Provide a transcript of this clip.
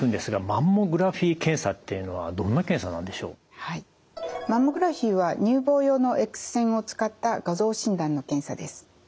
マンモグラフィーは乳房用のＸ線を使った画像診断の検査です。